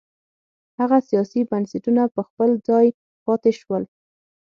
هغه سیاسي بنسټونه په خپل ځای پاتې شول.